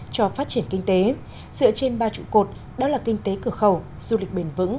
cho phát triển kinh tế dựa trên ba trụ cột đó là kinh tế cửa khẩu du lịch bền vững